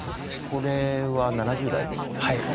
これは７０代でですね？